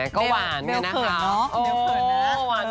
ก็หวานกันนะคะ